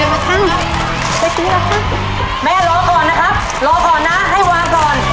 เร็วเร็วเร็วแม่รอก่อนนะครับรอก่อนนะให้วางก่อน